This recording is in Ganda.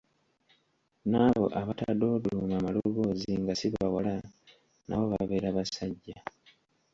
Naabo abatadoodooma maloboozi nga si bawala, nabo babeera basajja.